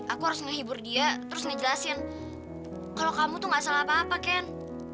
aku harus ngehibur dia terus ngejelasin kalau kamu tuh gak salah apa apa ken